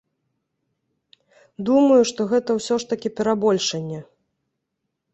Думаю, што гэта ўсё ж такі перабольшанне.